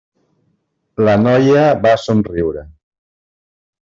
La noia va somriure.